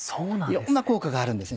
いろんな効果があるんです